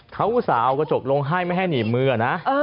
เขาอุตส่าห์เอากระจกลงให้ไม่ให้หนีบมือนะ